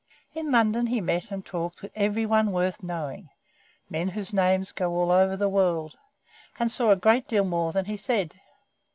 In London he met and talked with every one worth knowing men whose names go all over the world and saw a great deal more than he said.